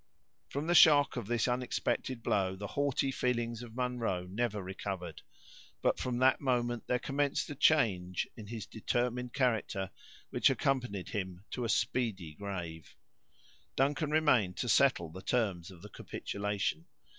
From the shock of this unexpected blow the haughty feelings of Munro never recovered; but from that moment there commenced a change in his determined character, which accompanied him to a speedy grave. Duncan remained to settle the terms of the capitulation.